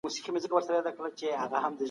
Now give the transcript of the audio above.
د شپې خوله بوی تولیدوي.